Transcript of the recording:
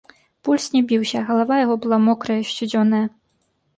Пульс не біўся, галава яго была мокрая і сцюдзёная.